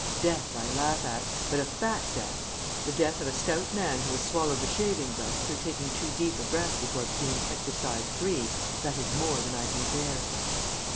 Death I laugh at; but a fat death the death of a stout man who has swallowed the shaving brush through taking too deep a breath before beginning Exercise 3, that is more than I can bear."